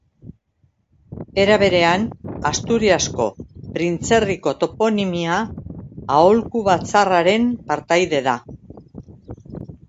Era berean, Asturiasko Printzerriko Toponimia Aholku Batzarraren partaide da.